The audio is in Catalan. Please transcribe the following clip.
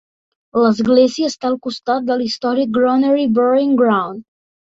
L'església està al costat de l'històric "Granary Burying Ground".